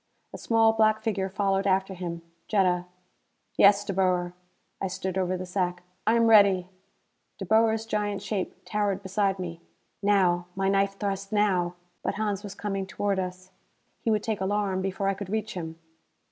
A small black figure followed after him. Jetta. "Yes, De Boer." I stood over the sack. "I am ready." De Boer's giant shape towered beside me. Now! My knife thrust now! But Hans was coming toward us. He would take alarm before I could reach him.